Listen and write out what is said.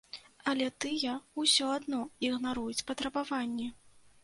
Але тыя ўсё адно ігнаруюць патрабаванні.